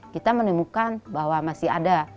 kita menemukan bahwa masih ada